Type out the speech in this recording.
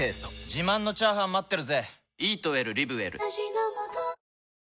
自慢のチャーハン待ってるぜ！